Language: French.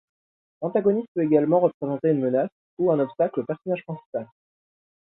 L'antagoniste peut également représenter une menace ou un obstacle au personnage principal.